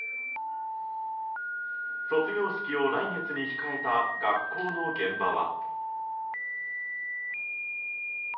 卒業式を来月に控えた学校の現場は。